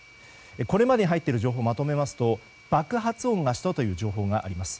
これまでに入っている情報をまとめますと爆発音がしたという情報があります。